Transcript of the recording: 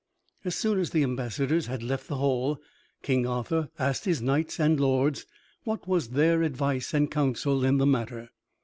As soon as the ambassadors had left the hall, King Arthur asked his knights and lords what was their advice and counsel in the matter.